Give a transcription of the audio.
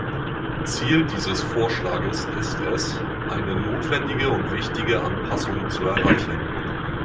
Ziel dieses Vorschlages ist es, eine notwendige und wichtige Anpassung zu erreichen.